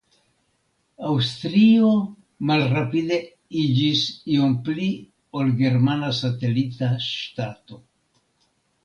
Aŭstrio malrapide iĝis iom pli ol germana satelita ŝtato.